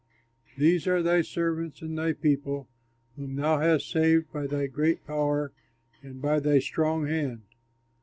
These are thy servants and thy people, whom thou hast saved by thy great power and by thy strong hand.